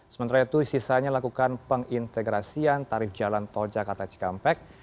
sementara itu sisanya lakukan pengintegrasian tarif jalan tol jakarta cikampek